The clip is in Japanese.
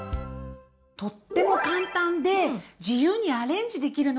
とっても簡単で自由にアレンジできるのがいいよね！